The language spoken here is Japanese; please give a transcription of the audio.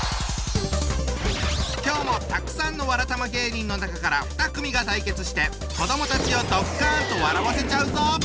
今日もたくさんのわらたま芸人の中から２組が対決して子どもたちをドッカンと笑わせちゃうぞ！